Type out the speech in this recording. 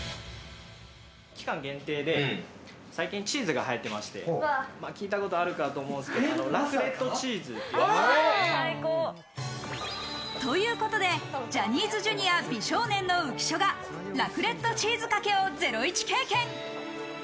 期間限定で最近チーズが流行ってまして、聞いたことあると思うんですが、ラクレットチーズ。ということで、ジャニーズＪｒ．美少年の浮所がラクレットチーズかけをゼロイチ経験。